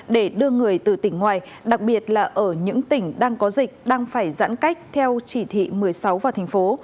để đưa người từ tỉnh ngoài đặc biệt là ở những tỉnh đang có dịch đang phải giãn cách theo chỉ thị một mươi sáu vào thành phố